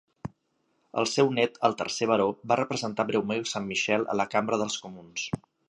El seu net, el tercer baró, va representar breument Saint Michael a la Cambra dels Comuns.